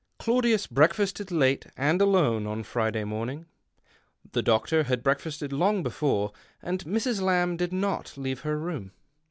Claudius breakfasted late and alone on Friday morning. The doctor had breakfasted long before, and Mrs. Lamb did not leave her room.